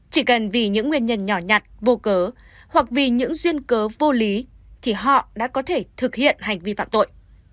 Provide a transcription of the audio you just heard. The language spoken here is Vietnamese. chỉ cần vì những nguyên nhân nhỏ nhặt vô cớ hoặc vì những duyên cớ vô lý thì họ đã có thể thực hiện hành vi phạm tội